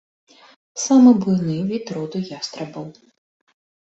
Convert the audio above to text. Самы буйны від роду ястрабаў.